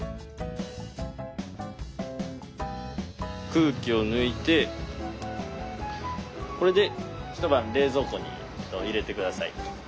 空気を抜いてこれで一晩冷蔵庫に入れて下さい。